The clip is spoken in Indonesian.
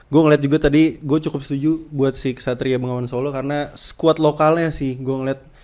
gue ngeliat juga tadi gue cukup setuju buat si kesatria bengawan solo karena squad lokalnya sih gue ngeliat